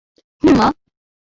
হুম, মা।